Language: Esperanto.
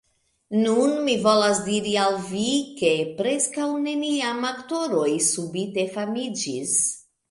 Nun, mi volas diri al vi, ke preskaŭ neniam aktoroj subite famiĝis.